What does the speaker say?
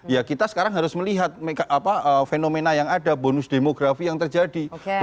ya kita sekarang harus melihat fenomena yang ada bonus demografi yang terjadi